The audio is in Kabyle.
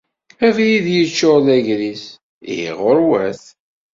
Abrid yeččuṛ d agris, ihi ɣuṛwet.